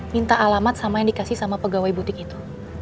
minta alamat sama yang dikasih sama pegawai butik itu